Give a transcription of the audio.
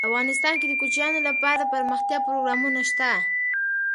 افغانستان کې د کوچیانو لپاره دپرمختیا پروګرامونه شته.